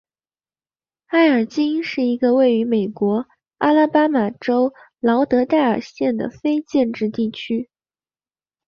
埃尔金是一个位于美国阿拉巴马州劳德代尔县的非建制地区。